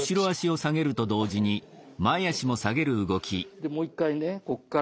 でもう一回ねこっから。